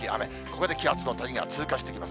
ここで気圧の谷が通過していきます。